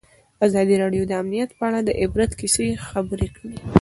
ازادي راډیو د امنیت په اړه د عبرت کیسې خبر کړي.